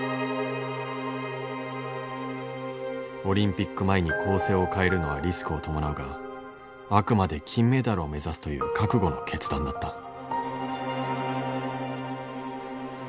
オリンピック前に構成を変えるのはリスクを伴うがあくまで金メダルを目指すという覚悟の決断だった。